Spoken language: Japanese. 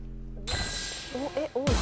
えっ？多い？